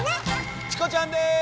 チコちゃんです！